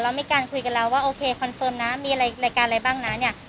แล้วมีการคุยกันแล้วว่าโอเคคอนเฟิร์มนะมีรายการอะไรบ้างนะเนี่ย